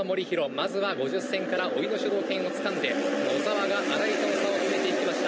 まずは５０線から主導権を掴んで野沢が新井との差を詰めていきました。